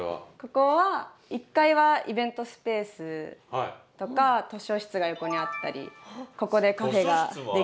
ここは１階はイベントスペースとか図書室が横にあったりここでカフェができたりします。